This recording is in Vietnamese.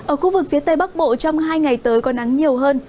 ở khu vực phía tây bắc bộ trong hai ngày tới có nắng nhiều hơn